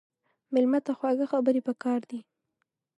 مېلمه ته خواږه خبرې پکار دي.